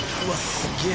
すげえ！